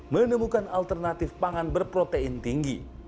menemukan alternatif pangan berprotein tinggi